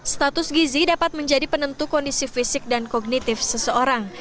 status gizi dapat menjadi penentu kondisi fisik dan kognitif seseorang